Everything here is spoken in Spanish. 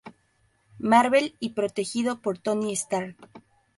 Marvel y protegido por Tony Stark.